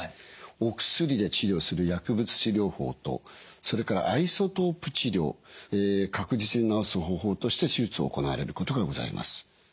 お薬で治療する薬物治療法とそれからアイソトープ治療確実に治す方法として手術を行われることがございます。